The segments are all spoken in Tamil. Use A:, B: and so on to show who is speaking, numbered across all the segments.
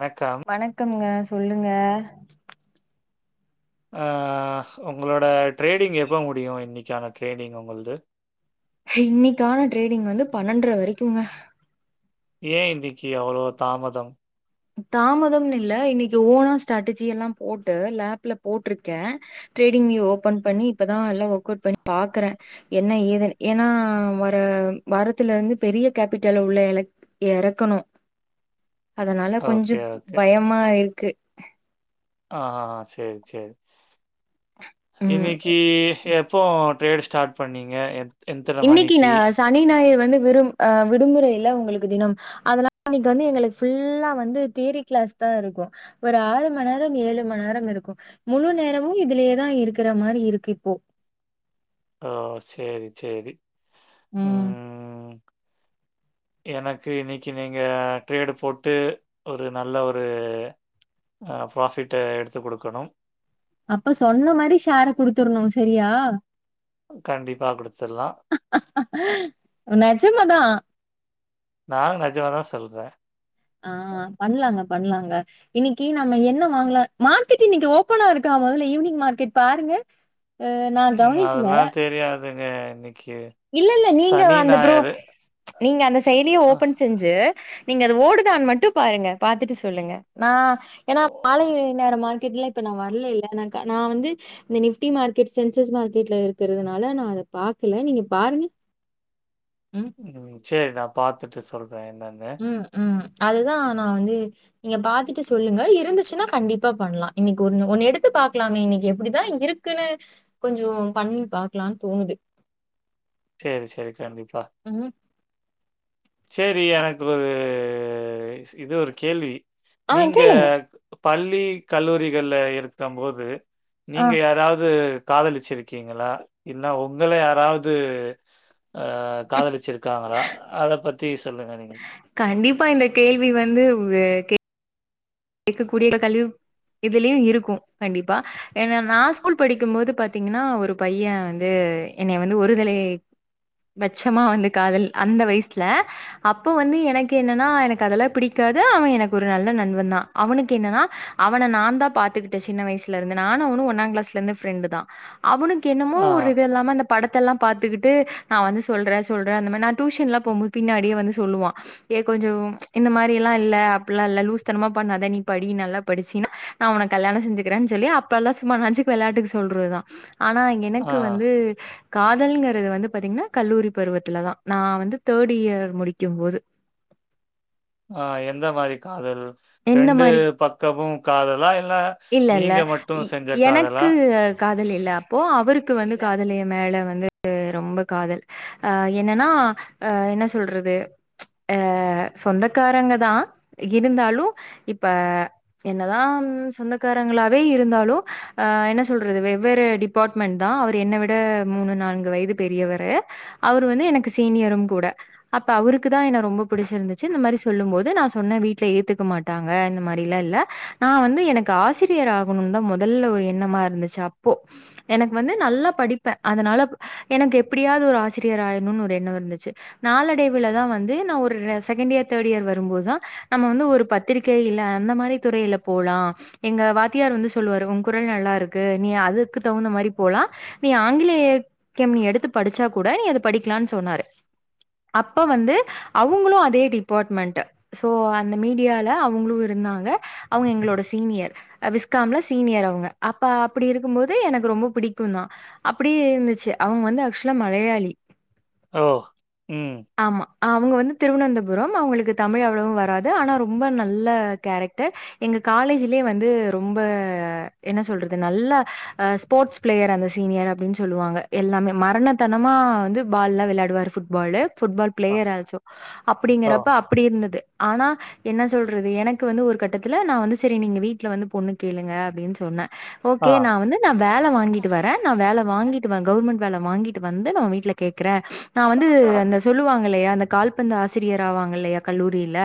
A: வணக்கம்
B: வணக்கம்ங்க சொல்லுங்க
A: ஆஹ்ஹ உங்களோட ட்ரேடிங் எப்போ முடியு இன்னைக்கான ட்ரேடிங் உங்களது
B: ஹெ இன்னைக்கான ட்ரேடிங் வந்து பன்னெண்டர வரைக்குங்க
A: ஏ இன்னக்கி அவ்ளோ தாமதம்
B: தாமதம்னு இல்ல இன்னக்கி ஓனா ஸ்ட்ராட்டஜி எல்லா போட்டு லேப்ல போட்ருக்கே டிரேடிங் வியூ ஓபன் பண்ணி இப்பதா எல்லா ஒர்க் அவுட் பண்ணி பாக்குறே என்ன ஏதுன்னு ஏன்னா வர வாரத்துல இருந்து பெரிய கேபிட்டல உள்ள எலக் எறக்கணு அதனால
A: ஓகே,
B: கொஞ்சப்
A: ஓகே.
B: பயமா இருக்கு
A: ஆ ஹஹ சேரி சேரி
B: ம்
A: இன்னக்கி எப்போ டிரேடு ஸ்டார்ட் பண்ணீங்க எத் எத்தன
B: இன்னக்கி ந
A: மணிக்கு?
B: சனி ஞாயிறு வந்து விரும் அஹ் விடுமுறையல்ல உங்களுக் ப்பு தினம் அதனால இன்னைக்கி வந்து எங்களுக்கு ஃபுல்லா வந்து தியரி கிளாஸ்தா இருக்கு ஒரு ஆறு மணி நேரம் ஏழு மணி நேரம் இருக்கு முழு நேரமு இதுலயேதா இருக்கிற மாரி இருக்கு இப்போ
A: ஓ சேரி சேரி ம் எனக்கு இன்னக்கி நீங்க ட்ரேடு போட்டு ஒரு நல்ல ஒரு அ ப்ராஃபிட்ட எடுத்து குடுக்கணும்
B: அப்ப சொன்ன மாரி ஷேர குடுத்தரணு சரியா
A: கண்டிப்பா குடுத்துடலாம்.
B: ஆ நெஜமாதா
A: நானு நெஜமாதா சொல்றே
B: ஆ பண்லாங்க பண்லாங்க இன்னக்கி நம்ம என்ன வாங்கலா மார்க்கெட் இன்னக்கி ஓப்பனா இருக்க மொதல்ல ஈவினிங் மார்கெட் பாருங்க ஆ நா கவனிக்கல
A: இருங்க இன்னக்
B: இல்ல இல்ல நீங்க அந்த ப்ரோ நீங்க அந்த செயலிய
A: அஹ்
B: ஓபன் செஞ்சு நீங்க அது ஓடுதான்னு மட்டு பாருங்க பாத்துட்டு சொல்லுங்க நா ஏன்னா மாலை நேரமா கிட்ல இப்ப நா வரலல்ல நா கா நா வந்து இந்த நிஃப்டி மார்கெட் சென்செக்ஸ் மார்கெட்ல இருக்கிறதுனால நா அத பாக்கல நீ பாரு நீ
A: உம் சேரி நா பாத்துட்டு சொல் வேண்டனானே
B: அதுதான் நான் வந்து நீங்க பாத்துட்டு சொல்லுங்க இருந்துச்சுன்னா கண்டிப்பா பண்ணலாம் இன்னைக்கு ஒு ஒன்னு எடுத்து பாக்கலாமே இன்னைக்கு எப்படிதான் இருக்குன்னு கொஞ்சம் பண்ண பாக்கலாம்னு தோணுது
A: சரி சரி கண்டிப்பா
B: ம்
A: சரி எனக்கு ஒரு இது ஒரு கேள்வி
B: ஆ
A: நீங்க
B: கேளுங்க
A: பள்ளி கல்லூரிகளில் இருக்க போோது
B: ஆ
A: நீங்க யாராவது காதலிச்சிருக்கீங்களா இல்லா உங்கள யாராவது [unintelligible] காதலிச்சுிருக்காங்களா அத பத்தி சொல்லுங்க நீங்க
B: கண்டிப்பா இந்த கேள்வி வந்து உங்க கேடக்கக்கூடிய கழிவு இதுலயும் இருக்கும் கண்டிப்பா ஏா நான் ஸ்கூல் படிக்கும்போது பாாரத்தீங்கன்னா ஒரு பையன் வந்து என்னை வந்து ஒருதலை பட்சமா வந்து காதல் அந்த வயசுல அப்போ வந்து எனக்கு என்னன்னா எனக்கு அதெல்லாம் பிடிக்காது அவன் எனக்கு ஒரு நல்ல நண்பன் தான் அவனுக்கு என்னன்னா அவனை நான் தான் பாத்துக்கிட்டேன் சின்ன வயசுல இருந்து நானும் அவனும் ஒன்னாம் கிளாஸ்ல இருந்து ஃப்ரெண்டு தான் அவனுக்கு என்னமோ
A: ஆ
B: ஒரு இது இல்லாம அந்த படத்தை ெல்லாம் பாத்துக்கிட்டு நான் வந்து சொல்றேன் சொல்றேன் அந்த மாதிரி நான் டியூஷன்லாம் போகும்போது பின்னாடியே வந்து சொல்லுவான் ஏ கொஞ்சம் இந்த மாதிரி எல்லாம் இல்ல அப்படல்லாம் இல்ல லூஸ் தனமா அப்பா நனி படி நல்லா படிச்சுனா நான் உன கல்யணம் செஞ்சுக்கேு சொல்லி அப்ப எல்லாம் சும்மா நச்சு விளாட்டுக்கு சொல்றதுதான் ஆனா
A: ஆ
B: எனக்கு வந்து காதலங்க வந்து பாத்தீங்கன்னா கல்லூரி பருவத்துிலதான் நான் வந்து தேர்ட் இயர் முடிக்கும்பது
A: ஆஹ் எந்த மாதிரி காதல்
B: எந்த
A: ரெண்டு
B: மாதிரி
A: பக்கமு காதலா இல்ல
B: இல்ல இல்ல
A: நீங்க மட்டு செஞ்ச காதலா
B: எனக்கு காதல் இல்ல அப்போ அவருக்கு வந்து காதலிய மேல வந்து ரொம்ப காதல் அஹ் என்னன்னா அஹ் என்ன சொல்றது அஹ் சொந்தக்காரங்க தான் இருந்தாலும் இப்ப என்னதான் சொந்தக்காரங்களாவே இருந்தாலும் அஹ் என்ன சொல்றது வெவ்வேறு டிபார்ட்மெண்ட் தான் அவர் என்னை விட மூணு நான்கு வயது பெரியவரு அவர் வந்து எனக்கு சீனியரும் கூட அப்ப அவருக்கு தான் என ரொம்ப பிடிச்சிருந்துச்சு இந்த மாதிரி சொல்லும் போோது நான் சொன்ன வீடல ஏத்துக்க மாட்டேன் மா இல்ல நான் வந்து எனக்கு ஆசிரியர் ஆகணும்னு தான் முதல்ல ஒரு எண்ணமா இருந்துச்சு அப்போ எனக்கு வந்து நல்லா படிப்பே அதனால எனக்கு எப்படியாவது ஒரு ஆசிரியர் ஆகணும்னு ஒரு எண்ணம் இருந்துச்சு நாளடைவுலதான் வந்து நான் ஒரு செகண்ட் இயர் தேர்ட் இயர் வரும்போதுதான் நம்ம வந்து ஒருத்து த்திகை இல்ல அந்த மாதிரி துறையில போலாம் எங்க வாத்தியார் வந்து சொல்லுவாரு உங்க குரல் நல்லா இருக்கு நீ அதுக்கு தகுந்த மாதிரி போலாம் நீ ஆங்கிலேயக்கம் நீ எடுத்து படிச்சா கூட நீது படிக்கலாம்னு சொன்னாரு அப்ப வந்து அவங்களும் அதே டிபார்ட்மெண்ட்ோ அந்த மீடியா அவங்களும் இருந்தாங்க அவங்க எங்களோட சீனியர் விஸ்காம்ல சீனியர் அவங்க அப்ப அப்படி இருக்கும் போோது எனக்கு ரொம்ப பிடிக்கும் தான் அப்படி இருந்துச்சு அவங்க வந்து ஆக்சுவலா மலையாளி
A: ஓ உம்
B: ஆமா. அவங்க வந்து திருவனந்தபுரம் அவங்களுக்கு தமிழ் அவ்வளவும் வராது ஆனா ரொம்ப நல்ல கேரக்டர் எங்கள் காலேஜலே வந்து ரொம்ப என்ன சொல்கவிறது நல்ல ஸ்போர்ட்ஸ் பிளேயர் அந்த சீனியர் அப்படின்னு சொல்லுவாங்க எல்லாமே மரணத்தனமாக வந்து பால்லாம் விளையாடுவார் ஃபுட்பாலு புட்பால்
A: அ,
B: பிளேயர் ஆச்சும்
A: ஓ!
B: அப்படிங்கறப்ப அப்படி இருந்தது ஆனா என்ன சொல்றது எனக்கு வந்து ஒரு கட்டத்தில் நான் வந்து சரி நீங்கள் வீட்டில் வந்து பொண்ணு கேளுங்க அப்படின்னு சொன்னேன்
A: ஆ.
B: ஓகே நான் வந்து நான் வேலை வாங்கிட்டு வரேன் நான் வேலை வாங்கிட்டு கவர்ன்மெண்ட் வேலை வாங்கிட்டு வந்து நான் வீட்டுல கேடக்குறேன் நான் வந்து அந்த சொல்லுவாங்களையா அந்த கால்பந்து ஆசிரியர் ஆவாங்கல்லையா கல்லூரியில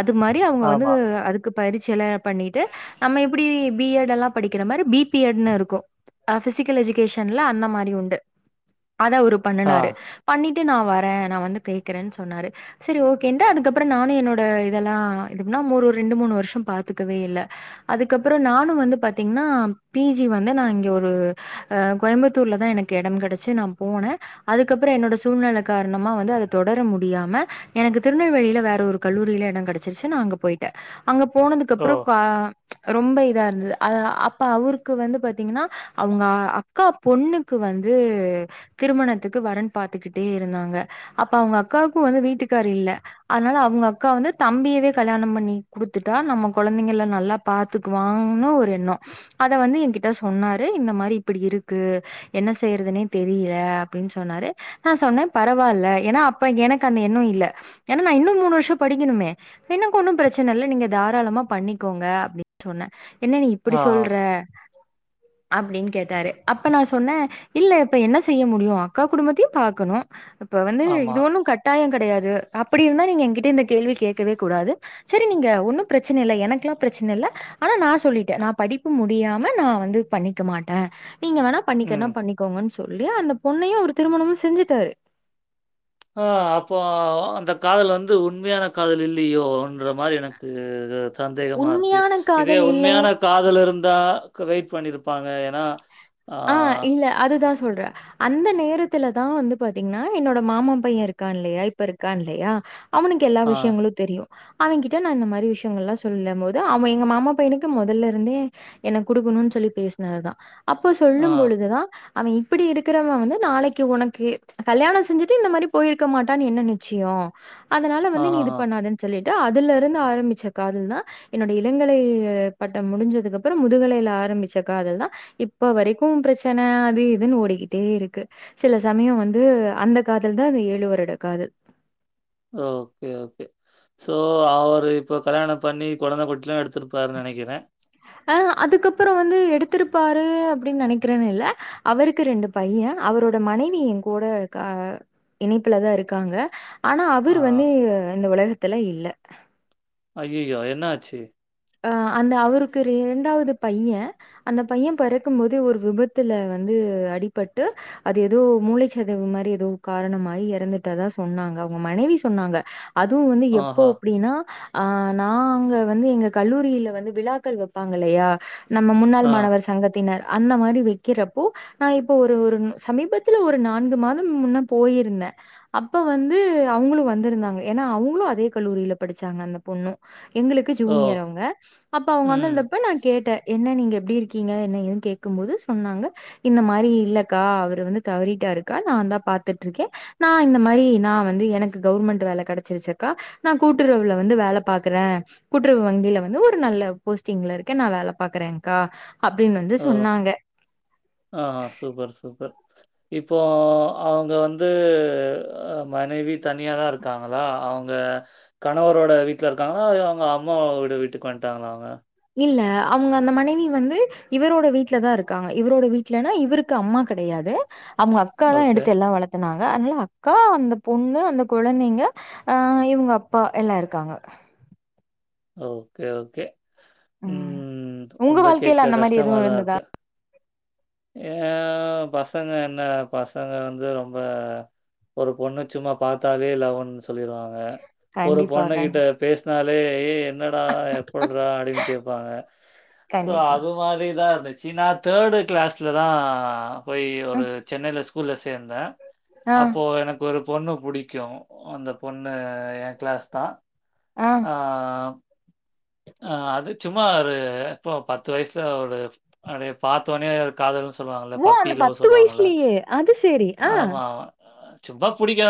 B: அது மாதிரி அவங்க வந்து
A: ஆமா.
B: அதுக்கு படிச்சில பண்ணிட்டு நம்ம எப்படி பிஎட் எல்லாம் படிக்கிற மாதிரி பி பிஎட் இருக்கும் பிசிகல் எஜுகேஷன்ல அந்த மாதிரி உண்டு அத அவுரு
A: ஆ.
B: பண்ணுனாரு பண்ணி ட்டு நான் வரேன் நான் வந்து கேக்கறேன் சொன்னாரு சரி ஓகே அதுக்கப்புறம் நானும் என்னோட இதுலாம் என்ன ஒரு ரெண்டு மூணு வருஷம் பாத்துக்கவே இல்ல அதுக்கப்புறம் நானும் வந்து பாத்தீங்கன்னா பிஜி வந்து நான் இங்க ஒரு கோயம்புத்தூர்ல தான் எனக்கு இடம் கிடைச்சு நான் போனேன் அதுக்கப்புறம் என்னோட சூழ்நிலை காரணமா வந்து அதை தொடர முடியாம எனக்கு திருநெல்வேலியில வேற ஒரு கல்லூரியில இடம் கிடச்சிருச்சு நான் அங்க போயிட்டேன் அங்க போனதுக்கு
A: ஓ!
B: அப்புறம் கா ரொம்ப இதா இருந்தது அது அப்ப அவருக்கு வந்து பாத்தீங்கன்னா அவங்க அக்கா பொண்ணுக்கு வந்து திருமணத்துக்கு வரன் பாத்துக்கிட்டே இருந்தாங்க அப்ப அவுங்க அக்காவுக்கும் வந்து வீட்டுக்கார இல்ல அதனால அவங்க அக்கா வந்து தம்பியவே கல்யாணம் பண்ணி குடுத்துட்டா நம்ம குழந்தைங்கல நல்லா பாதுக்குவாங்கனும் ஒரு எண்ணம் அத வந்து என்கிட்ட சொன்னாரு இந்த மாதிரி இப்படி இருக்கு என்ன செய்யறதுனே தெரியல அப்படின்னு சொன்னாரு நான் சொன்னேன் பரவாயில்ல ஏன்னா அப்ப எனக்கு அந்த எண்ணம் இல்ல ஏன்னா நான் இன்னும் மூணு வருஷம் படிக்கணுமே எனக்கு ஒன்னும் பிரச்சனை இல்ல நீங்க தாராளமா பண்ணிக்கோங்க அப்படின் சொன்னேன் என்ன நீ இப்படி
A: ஆ.
B: சொல்ற அப்டின்னு கேட்டாரு அப்ப நான் சொன்னேன் இல்ல இப்ப என்ன செய்ய முடியும் அக்கா குடும்பத்தையும் பாக்கணும் இப்ப வந்து
A: ஆமா.
B: இது ஒண்ணும் கட்டாயம் கிடையாது அப் அப்படி இருந்தா நீங்க என்கிட்ட இந்த கேள்வி கேட் இருக்கவே கூடாது சரி நீங்க ஒன்னும் பிரச்சனை இல் எனக்கல்லாம் பிரச்சனை இல் ஆனா நான் சொல்லிட்டேன் நான் படிப்பு முடியாம நான் வந்து பண்ணிக்க மாட்டேன் நீங்க வேணா பண்ணிக்கனா
A: ம்.
B: பண்ணிக்கோங்கு சொ சொல்லி அந்த பொண்ணையும் அவரு திருமணமும் செஞ்சுட்டாரு
A: ஆ அப்போ அந்த காதல் வந்து உண்மையான காதல் இல்லையோன்ற மாரி எனக்கு சந்தேகமா இருக்கு
B: உண்மையான
A: இதே
B: காதல் இல்லை
A: உண்மையான காதல் இருந்தா வெயிட் பண்ணிருப்பாங்க ஏன்னா
B: ஆ இல்ல அது தான் சொல்ற அந்த நேரத்துலதான் வந்து பாத்தீங்கன்னா என்னோட மாமன் பையன் இருக்கான் இல்லையா இப்ப இருக்கான் இல்லையா அவனுக்கு எல்லா
A: ஆ,
B: விஷயங்களும் தெரியும் அவன் கிட்ட நான் இந்த மாரி விஷயங்கள் எல்லாம் சொல்லும் போது அவன் எங்க மாமா பையனுக்கு முதல்லல இருந்தே என்ன குடுக்கணும்னு சொல்லி பேசினது தான்ப்ப இப்ப
A: ஆ,
B: சொல்லும் பொழுதுதான் அவன் இப்படி இருக்கிறவன் வந்து நாளைக்கு உனக்கு கல்யாணம் செஞ்சுட்டு இந்த மாரி போயிருக்க மாட்டான்னு என்ன நிச்சயம் அதனால வந்து நீ இது
A: ஆஹஹ.
B: பண்ணாதன்னு சொல்லிட்டு அதுல இருந்து ஆரம்பிச்ச காதல் தான் என்னோட இளங்கலை பட்டம் முடிஞ்சதுக்கு அப்புறம் முதுகலையில ஆரம்பிச்ச காதல் தான் இப் இப்ப வரைக்கும் பிரச்சனை அது இதுன்னு ஓடிக்கிட்டே இருக்கு சில சமயம் வந்து அந்த காதல் தான் இந்த ஏழு வருட காதல்
A: ஓகே ஓகே சோ அவரு இப்ப கல்யாணம் பண்ணி குழந்தை குட்டி எல்லாம் எடுத்துருப்பாருனு நினைக்கிறேன்
B: அ அதுக்கப்புறம் வந்து எடுத்திருப்பாரு அப்படின்னு நினைக்கிறேன்னு இல்ல அவருக்கு ரெண்டு பையன் அவரோட மனைவியும் கூட அ இணைப்புலதான் இருக்காங்க ஆனா
A: ஆ.
B: அவர் வந்து இந்த உலக த்துல இல்ல
A: அய்யயோ என்னாச்சு
B: அ அந்த அவருக்கு இரண்டாவது பையன் அந்த பையன் பிறக்கும் போது ஒரு விபத்துல வந்து அடிபட்டு அது ஏதோ மூளைச்சதவு மாதிரி ஏதோ காரணமாய் இறந்துட்டதா சொன்னாங்க அவுங்க மனைவி சொன்னாங்க அதுவும் வந்து எப்போ
A: ஆஹா.
B: அப்படின்னா ஆஹ் நான் அங்க வந்து எங்க கல்லூரியில வந்து விழாக்கள் வெப்பாங்க இல்லையா நம்ம முன்னாள்
A: ஆ.
B: மாணவர் சங்கத்தினர் அந்த மாதிரி வைக்கிறப்போ நான் இப்போ ஒரு ஒரு சமீபத்துல ஒரு நான்கு மாதம் முன்னா போயிருந்தேன் அப்ப வந்து அவங்களும் வந்திருந்தாங்க ஏன்னா அவங்களும் அதே கல்லூரியில படிச்சாங்க அந்த பொண்ணு எங்களுக்கு
A: ஓ!
B: ஜூனியர் ஆ அப்ப அவங்க வந்து
A: ம்.
B: இருந்தப்ப நான் கேட்டேன் என் என்ன நீங்க எப்படி இருக்கீங்க என்ன ஏன்னு கேக்கும்போது சொன்னாங்க இந்த மாதிரி இல்லக்கா அவரு வந்து தவறிட்டாருக்கா நான் தான் பாத்துட்டுருக்கேன் நான் இந்த மாதிரி நான் வந்து எனக்கு கவுர்மெண்ட் வேலை கிடைச்சிருச்சிக்கா நான் கூட்டுறவுல வந்து வேலை பாக்குறேன் கூட்டுறவு வங்கியில வந்து ஒரு நல்ல போஸ்டிங்ல இருக்க நான் வேலை பாக்குறேன்கா
A: ஓ ஆஹ்் சூப்பர் சூப்பர் இப்போ அவங்க வந்துஹ மனைவி தனியாதான் இருக்காங்களா அவங்க கணவரோட வீட்டுல இருக்காங்களா அவங்க அம்மாவோட வீட்டுக்கு வந்துட்டாங்களா அவங்க
B: இல்ல அவங்க அந்த மனைவி வந்து இவரோட வீட்டுல தான் இருக்காங்க இவரோட வீட்டுலன்னா இவருக்கு அம்மா கிடையாது அவங்க அக்காத தான்
A: ஓகே,
B: எடுத்து எல்லாம் வளர்த்தனாங்க அக்கா அந்த பொண்ணு அந்த குழந்தைங்க அஹ் இவங்க அப்பா எல்லாம் இருக்காங்க
A: ஓகே ஓகே
B: ம்.
A: உம்
B: உங்க
A: ரொம்ப
B: வாழ்க்கையில
A: கே்க
B: அந்த மாரி எதுவும்
A: கஷ்டமாதான்
B: இருந்ததா?
A: இருக்கு ஏ பசங்க என்ன பசங்க வந்து ரொம்ப ஒரு பொண்ணு சும்மா பார்த்தாலே லவுனு சொல்லிருவாங்க ஒரு
B: கண்டிப்பா,
A: பொண்ணு
B: கண்
A: கிட்ட பேசினால அ ஐ ஏ என்னடா எப்புட்றா அப்படின்னு கேப்பாங்க சோ
B: கண்டிப்பா.
A: அது மாரிதான் இருந்துச்ச சி நா தேர்டு கிளாஸ்லதான் போய் ஒரு
B: ம்.
A: சென்னைல ஸ்கூ ஸ்கூல சேர்ந்தேன்
B: ஆ,
A: அப்போ எனக்கு ஒரு பொண்ணு பிடிக்கும் அந்த பொண்ணு யென் கிளாஸ் தான்
B: ஆ.
A: ஆஹ் அஹ் அது சும்மா ஒரு இப்போ பத்து வயசுல ஒரு அப்டியே பாத்தோடனே ஒரு காதல்
B: ஓ அந்த பத்து வயசுலயே அது சரி ஆஹ
A: ஆமா, ஆமா. சும்மா புடிக்க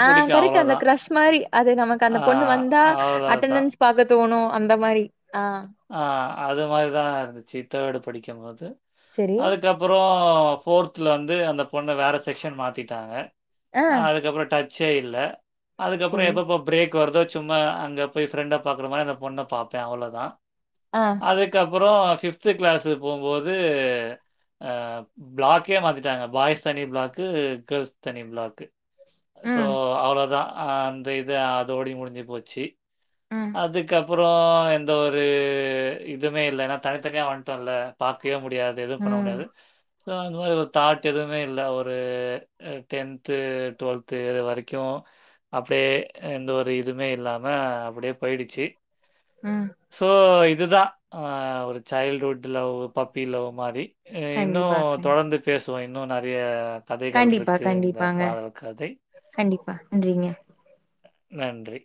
B: ஆஹ் கரெக்ட் அந்த கிரஷ் மாதரி அது நமக்கு அந்த
A: ஆ,
B: பொண்ணு வந்தா அட்டனன்ஷ் பாக் தோணும் அந்த மாதிரி
A: ஆஹ் அது மாரிதான் இருந்துச்சி தேடு படிக்கும்போது
B: சரி.
A: அதுக்கப்புறம் போர்த்லேர்ந்து அந்த பொண்ணை வேற செக்ஷன் மாத்திட்டாங்க
B: ஆ,
A: அதுக்கப்புறம் டச் ச்சே இல்ல அதுக்கப்பறோ
B: சரி.
A: எப்பப்ப பிரேக் க்கு வருதோ சும்மா அங்க போய் ஃப்ரெண்ட பாக்குற மாரி அந்த பொண்ண பாப்பே அவ்ளோதா
B: ஆ.
A: அதுக்கப்றோ ஃபிஃப்த்து கிளாஸு போம்போது ஆ பிளாக்கே மாத்திட்டாங்க பாய்ஸ் தனி பிளாக்கு கேள்ஸ் தனி பிளாக்கு சோ
B: ம்,
A: அவ்ளதா ஆ அந்த இது அதோடயே முடிஞ்சு போச்சு
B: ம்.
A: அதுக்கப்றோ எந்த ஒரு இது இதுமே இல்ல ஏன்னா தனித்தனியா வன்டோம்ல பாக்கவே முட் முடியாது எதும் பண்ண
B: ம்,
A: முடியாது சோ அந்த மாரி ஒரு தாட் எதுவுமே இல்ல ஒரு அ டென்த்து டுவெல்த்து இது வரைக்கு அப்டியே எந்த ஒரு இதுமே இல்லாம அப்டியே போயிடுச்சு
B: ஆஹ்
A: ஸோ இதுதா ஆ ஒரு சைல்டுஹூட் லவ் பப்பி லவ் மாரி ஆ இன்னு
B: கண்டிப்பா, கண்
A: தொடர்ந்து பேச சோ இன்னு நெறைய கதைகள்
B: கண்டிப்பா
A: இருக்கு. இந்த
B: கண்டிப்பாங்க
A: காதல் கதை.
B: கண்டிப்பா நன்றிங்க
A: நன்றி